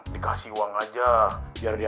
dikasih uang aja biar dia